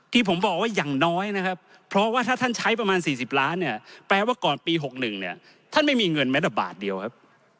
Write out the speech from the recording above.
ที่ผมบอกว่าอย่างน้อยนะครับเพราะว่าถ้าท่านใช้ประมาณ๔๐ล้านเนี่ยแปลว่าก่อนปี๖๑เนี่ยท่านไม่มีเงินแม้แต่บาทเดียวครับ